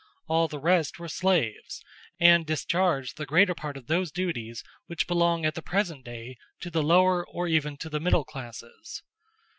All the rest were slaves, and discharged the greater part of those duties which belong at the present day to the lower or even to the middle classes.